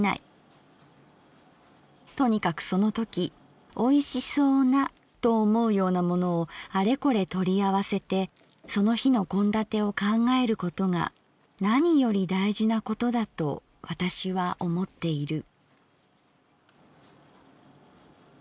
とにかくそのとき美味しそうなと思うようなものをあれこれ取り合わせてその日の献立を考えることがなにより大事なことだと私は思っている」。